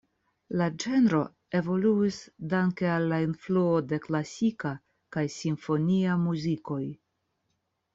La ĝenro evoluis danke al la influo de klasika kaj simfonia muzikoj.